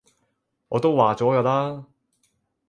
我都話咗嘅啦